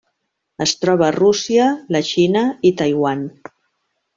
Es troba a Rússia, la Xina i Taiwan.